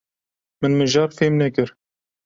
Min mijar fêm nekir.